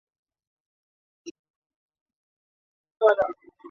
万有引力常数大概是物理常数中最难测量的了。